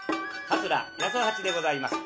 桂八十八でございます。